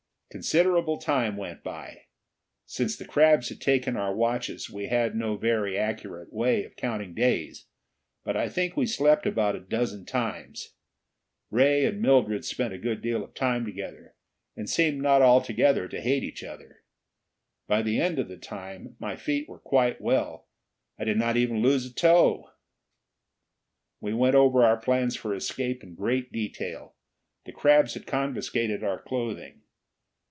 Considerable time went by. Since the crabs had taken our watches, we had no very accurate way of counting days; but I think we slept about a dozen times. Ray and Mildred spent a good deal of time together, and seemed not altogether to hate each other. By the end of the time my feet were quite well; I did not even lose a toe. We went over our plans for escape in great detail. The crabs had confiscated our clothing.